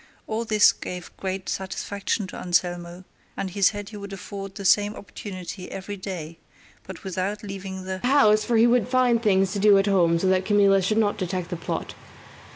All this gave great satisfaction to Anselmo, and he said he would afford the same opportunity every day, but without leaving the house, for he would find things to do at home so that Camilla should not detect the plot.